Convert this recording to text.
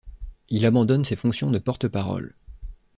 Il abandonne ses fonctions de porte-parole.